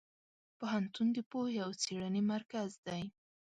پوهنتون د پوهې او څېړنې مرکز دی.